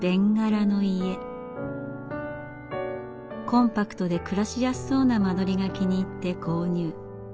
コンパクトで暮らしやすそうな間取りが気に入って購入。